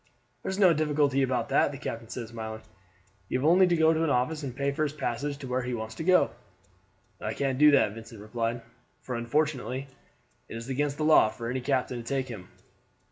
"There's no difficulty about that," the captain said smiling; "you have only to go to an office and pay for his passage to where he wants to go." "I can't do that," Vincent replied; "for unfortunately it is against the law for any captain to take him."